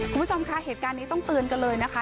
คุณผู้ชมค่ะเหตุการณ์นี้ต้องเตือนกันเลยนะคะ